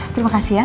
terima kasih ya